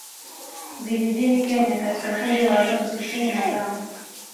Vijijini Kenya katika kundi la watoto tisini na tano